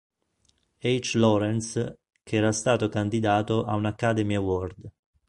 H. Lawrence, che era stato candidato a un Academy Award.